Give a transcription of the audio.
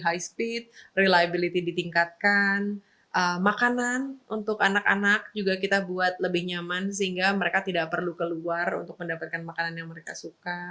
kita juga buat lebih nyaman sehingga mereka tidak perlu keluar untuk mendapatkan makanan yang mereka suka